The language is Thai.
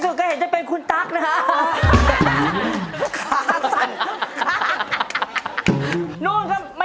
นู้นก็ไม่เอาน่าเกรงใจเหมือนกันนะ